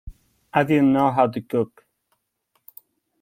I didn't know how to cook.